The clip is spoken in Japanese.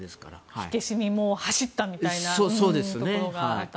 火消しに走ったみたいなところが。